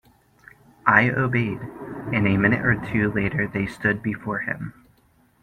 I obeyed, and a minute or two later they stood before him.